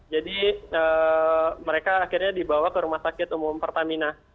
jadi mereka akhirnya dibawa ke rumah sakit umum pertamina